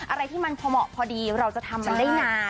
อะไรที่มันพอเหมาะพอดีเราจะทำมันได้นาน